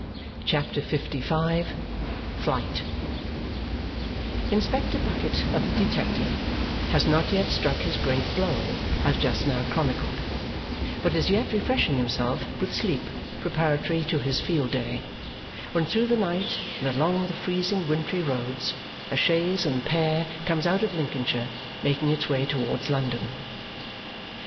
CHAPTER LV Flight Inspector Bucket of the Detective has not yet struck his great blow, as just now chronicled, but is yet refreshing himself with sleep preparatory to his field day, when through the night and along the freezing wintry roads a chaise and pair comes out of Lincolnshire, making its way towards London.